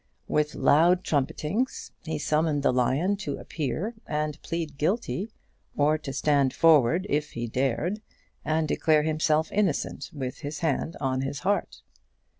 With loud trumpetings, he summoned the lion to appear and plead guilty, or to stand forward, if he dared, and declare himself innocent with his hand on his heart.